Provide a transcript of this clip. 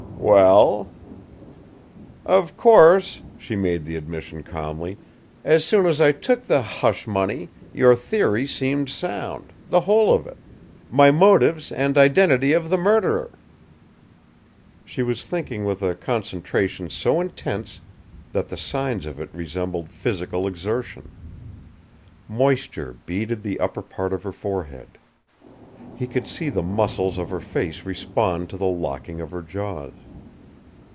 "Well?" "Of course," she made the admission calmly, "as soon as I took the hush money, your theory seemed sound the whole of it: my motives and identity of the murderer." She was thinking with a concentration so intense that the signs of it resembled physical exertion. Moisture beaded the upper part of her forehead. He could see the muscles of her face respond to the locking of her jaws.